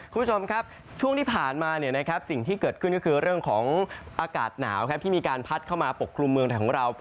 คุณผู้ชมครับช่วงที่ผ่านมาสิ่งที่เกิดขึ้นก็คือเรื่องของอากาศหนาวที่มีการพัดเข้ามาปกครุมเมืองไทยของเรา